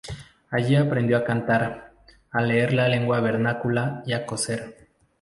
Allí aprendió a cantar, a leer la lengua vernácula y a coser.